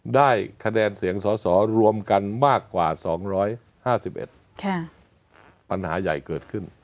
ได้คะแนนเสียงสอสอรวมกันมากกว่า๒๕๑ปัญหาใหญ่เกิดขึ้น